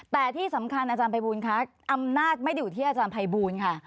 แต่ที่สำคัญอาจารย์ภัยบูลคะอำนาจไม่ได้อยู่ที่อาจารย์ภัยบูลค่ะ